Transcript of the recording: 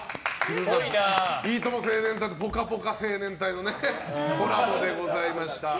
いいとも青年隊じゃなくてぽかぽか青年隊のコラボでございました。